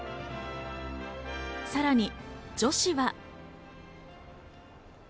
さらに女子は。